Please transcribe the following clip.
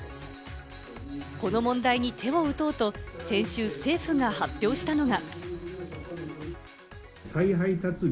この問題に手を打とうと先週、政府が発表したのが。